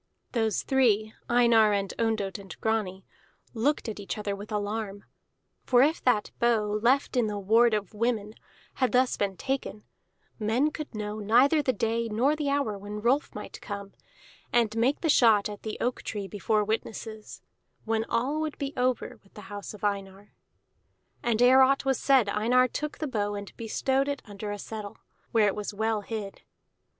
Those three, Einar and Ondott and Grani, looked at each other with alarm. For if that bow, left in the ward of women, had thus been taken, men could know neither the day nor the hour when Rolf might come, and make the shot at the oak tree before witnesses, when all would be over with the house of Einar. And ere aught was said Einar took the bow and bestowed it under a settle, where it was well hid.